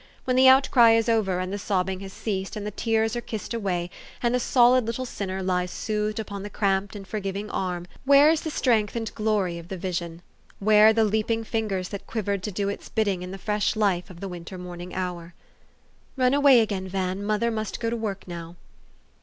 When the outcry is over, and the sobbing has ceased, and the tears are kissed away, and the solid little sinner lies soothed upon the cramped and forgiving arm, where is the strength and glory of the vision ? Where are the leaping fingers that quivered to do its bidding in the fresh life of the winter morn ing hour ?" Run away, again, Van: mother must go to work now."